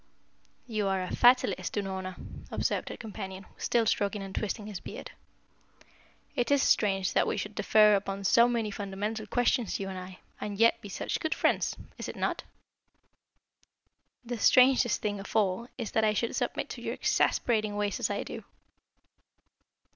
"So you are a fatalist, Unorna," observed her companion, still stroking and twisting his beard. "It is strange that we should differ upon so many fundamental questions, you and I, and yet be such good friends. Is it not?" "The strangest thing of all is that I should submit to your exasperating ways as I do."